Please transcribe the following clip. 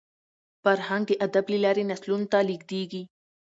فرهنګ د ادب له لاري نسلونو ته لېږدېږي.